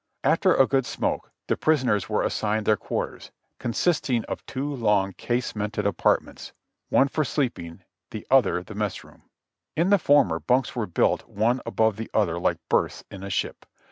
After a good smoke the prisoners were assigned their quar ters, consisting of tw^o long casemated apartments, one for sleep ing, the other the mess room. In the former, bunks were built one above the other like berths in a ship.